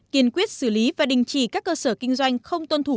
kiên quyết xử lý và đình chỉ các cơ sở kinh doanh không tuân thủ